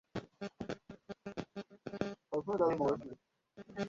মেয়েটা আমাকে দেখছে।